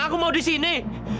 aku mau disini